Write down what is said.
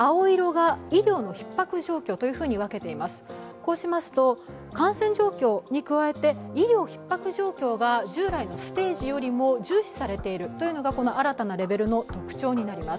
こうしますと感染状況に加えて医療ひっ迫が従来よりも重視されているというのがこの新たなレベルの特徴になります。